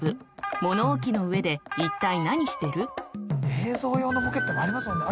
映像用のボケってありますもんね。